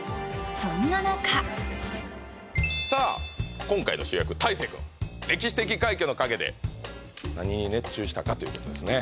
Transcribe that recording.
そんな中さあ今回の主役・たいせい君歴史的快挙の陰で何に熱中したかということですね